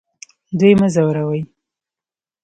دوی مه ځوروئ